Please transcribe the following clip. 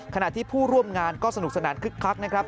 ขณะที่ผู้ร่วมงานก็สนุกสนานคึกคักนะครับ